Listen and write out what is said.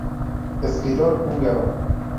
Escritor húngaro.